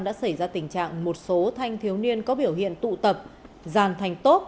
đã xảy ra tình trạng một số thanh thiếu niên có biểu hiện tụ tập giàn thành tốt